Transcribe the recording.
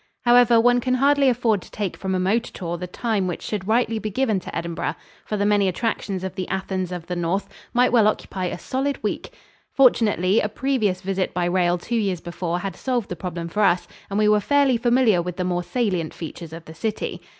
However, one can hardly afford to take from a motor tour the time which should rightly be given to Edinburgh, for the many attractions of the Athens of the North might well occupy a solid week. Fortunately, a previous visit by rail two years before had solved the problem for us and we were fairly familiar with the more salient features of the city.